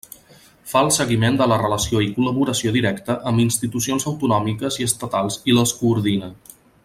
Fa el seguiment de la relació i col·laboració directa amb institucions autonòmiques i estatals i les coordina.